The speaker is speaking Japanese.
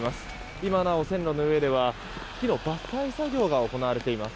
今なお線路の上では木の伐採作業が行われています。